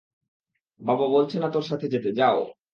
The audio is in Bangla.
বাবা বলছে না তার সাথে যেতে, যাও।